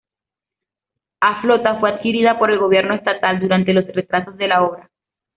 A flota fue adquirida por el gobierno estatal durante los retrasos de la obra.